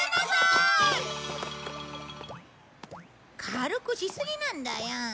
軽くしすぎなんだよ。